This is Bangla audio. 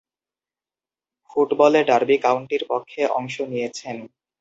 ফুটবলে ডার্বি কাউন্টির পক্ষে অংশ নিয়েছেন।